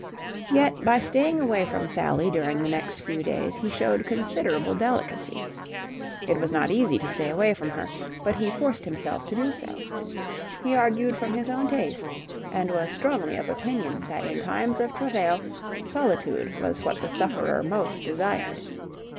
Yet, by staying away from Sally during the next few days he showed considerable delicacy. It was not easy to stay away from her, but he forced himself to do so. He argued from his own tastes, and was strongly of opinion that in times of travail, solitude was what the sufferer most desired.